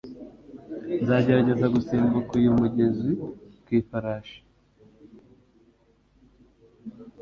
Nzagerageza gusimbuka uyu mugezi ku ifarashi.